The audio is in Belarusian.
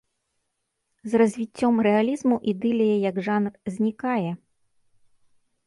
З развіццём рэалізму ідылія як жанр знікае.